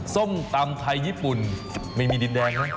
ส้มตำไทยญี่ปุ่นไม่มีดินแดงนะ